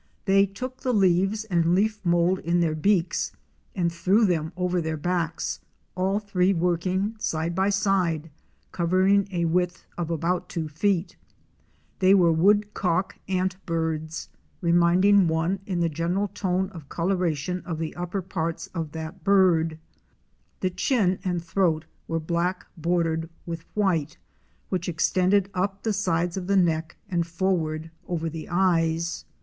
They took the leaves and leaf mould in their beaks and threw them over their backs, all three working side by side, covering a width of about two feet. They were Woodcock Antbirds," reminding one, in the general tone of coloration of the upper parts, of that bird. The chin and throat were black bordered with white which extended up the sides of the neck and forward over the eyes.